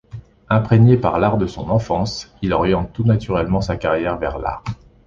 Imprégné par l'art de son enfance, il oriente tout naturellement sa carrière vers l'art.